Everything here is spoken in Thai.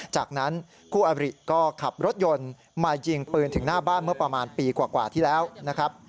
จากนั้นคู่อบริก็ขับรถยนต์มายิงปืนถึงหน้าบ้านเมื่อประมาณปีกว่าที่แล้วนะครับ